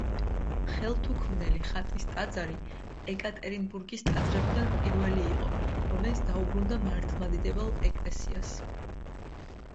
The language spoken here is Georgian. ხელთუქმნელი ხატის ტაძარი ეკატერინბურგის ტაძრებიდან პირველი იყო, რომელიც დაუბრუნდა მართლმადიდებელ ეკლესიას.